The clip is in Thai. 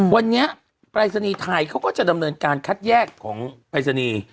วันนี้ปรายศนีย์ไทยเขาก็จะดำเนินการคัดแยกของปรายศนีย์